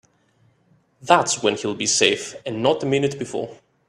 That's when he'll be safe and not a minute before.